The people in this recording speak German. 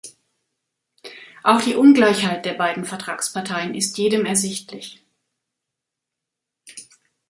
Auch die Ungleichheit der beiden Vertragsparteien ist jedem ersichtlich.